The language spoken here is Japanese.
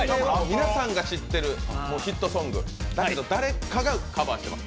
皆さんが知ってるヒットソングだけど、誰かがカバーしてます